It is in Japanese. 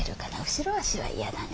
後ろ足は嫌だね。